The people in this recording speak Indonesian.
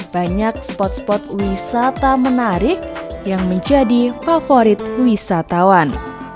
banyak spot spot wisata menarik yang menjadi favorit wisatawan